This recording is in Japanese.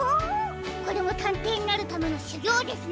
これもたんていになるためのしゅぎょうですね！